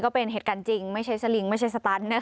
เป็นเหตุการณ์จริงไม่ใช่สลิงไม่ใช่สตันนะคะ